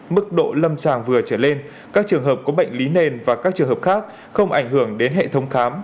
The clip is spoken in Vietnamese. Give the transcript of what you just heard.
mức độ lâm sàng vừa trở lên các trường hợp có bệnh lý nền và các trường hợp khác không ảnh hưởng đến hệ thống khám